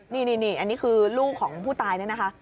นี่อันนี้คือลูกของผู้ตายเนี่ยนะคะ